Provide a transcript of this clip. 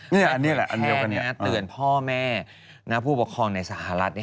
แพทย์แพทย์นะตื่นพ่อแม่ผู้ปกครองในสหรัฐนี้